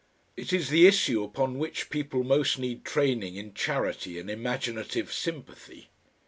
It is the issue upon which people most need training in charity and imaginative sympathy.